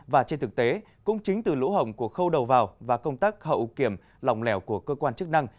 và trên thực tế cũng chính từ lũ hồng của khâu đầu vào và công tác hậu kiểm lỏng lẻo của cơ quan chức năng